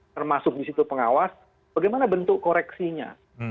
termasuk di situ pengawas bagaimana bentuk koreksinya